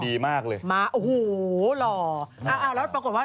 นี่มากชั้นเล่นกับเขา